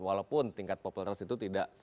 walaupun tingkat popularitas itu tidak